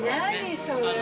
それ。